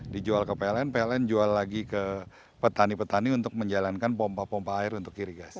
dijual ke pln pln jual lagi ke petani petani untuk menjalankan pompa pompa air untuk kiri gas